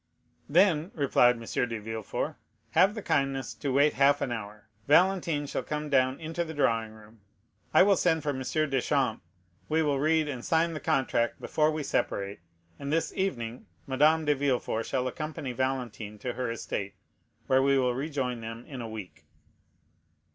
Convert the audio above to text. "Then," replied M. de Villefort, "have the kindness to wait half an hour; Valentine shall come down into the drawing room. I will send for M. Deschamps; we will read and sign the contract before we separate, and this evening Madame de Villefort shall accompany Valentine to her estate, where we will rejoin them in a week."